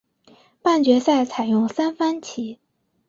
半决赛采用三番棋。